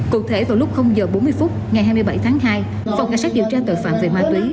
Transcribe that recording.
cụ thể vào lúc h bốn mươi phút ngày hai mươi bảy tháng hai phòng cảnh sát điều tra tội phạm về ma túy